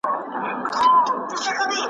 فقیران لکه سېلونه د کارګانو `